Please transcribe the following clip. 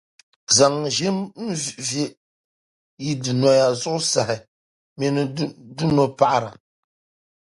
zaŋ ʒim ve yi dunoya zuɣusahi mini dunopaɣira.